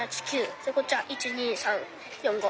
でこっちは１２３４５。